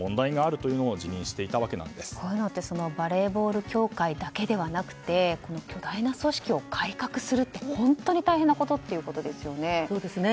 こういうのってバレーボール協会だけじゃなく巨大な組織を改革するって本当に大変なことということですよね。